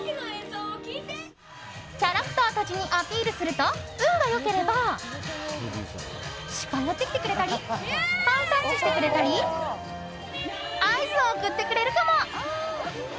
キャラクターたちにアピールすると運が良ければ近寄ってきてくれたりハイタッチしてくれたり合図を送ってくれるかも。